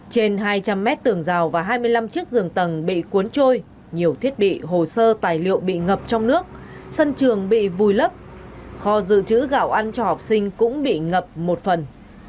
trên hai trăm linh mét tường rào và hai mươi năm chiếc giường tầng bị cuốn trôi nhiều thiết bị hồ sơ tài liệu bị ngập trong nước sân trường bị vùi lấp kho dự trữ gạo ăn cho học sinh cũng bị ngập một phần